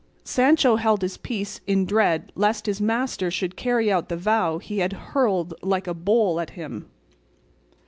Sancho held his peace in dread lest his master should carry out the vow he had hurled like a bowl at him.